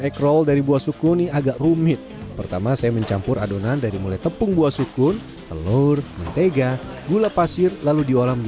eggroll dari buah sukun ini agak rumit pertama saya mencampur adonan dari mulai tepung buah sukun